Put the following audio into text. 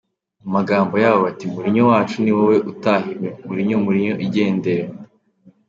Mu magambo yabo bati: ”Mourinho wacu ni wowe utahiwe, Mourinho Mourinho igendere.